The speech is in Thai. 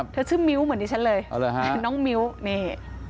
เธอชื่อมิ้วเหมือนที่ฉันเลยน้องมิ้วนี่